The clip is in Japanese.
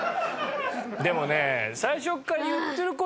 でもね